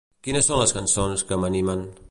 Quines són les cançons que m'animen.